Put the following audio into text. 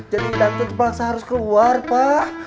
jadi dapet pelaksa harus keluar pak